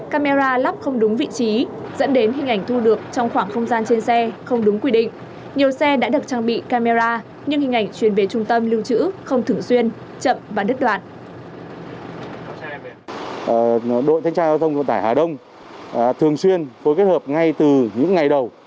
camera lắp không đúng vị trí dẫn đến hình ảnh thu được trong khoảng không gian trên xe không đúng